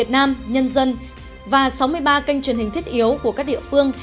nhân dân và sáu mươi ba kênh truyền hình thiết yếu của các địa phương